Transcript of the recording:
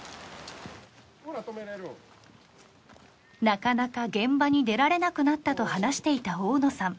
なかなか現場に出られなくなったと話していた大野さん。